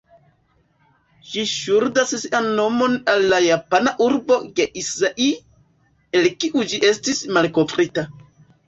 Ĝi ŝuldas sian nomon al la japana urbo "Geisei", el kiu ĝi estis malkovrita.